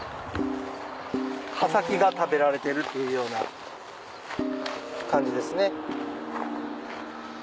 葉先が食べられてるっていうような感じですね。